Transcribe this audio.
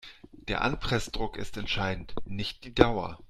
Der Anpressdruck ist entscheidend, nicht die Dauer.